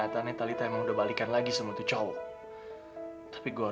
sampai jumpa di video selanjutnya